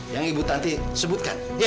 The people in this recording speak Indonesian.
yang ibu tanti sebutkan